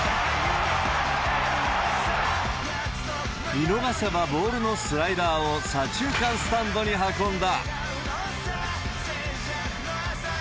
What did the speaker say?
見逃せばボールのスライダーを左中間スタンドに運んだ。